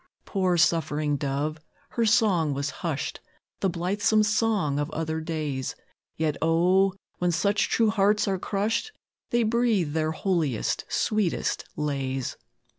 Poor, suffering dove! her song was hushed, The blithesome song of other days, Yet, O! when such true hearts are crushed, They breathe their holiest, sweetest lays.